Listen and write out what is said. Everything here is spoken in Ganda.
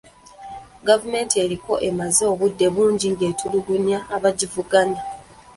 Gavumenti eriko emaze obudde bungi ng'etulugunya abagivuganya.